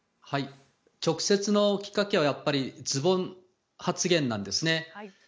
直接のきっかけはやっぱりズボン発言なんです。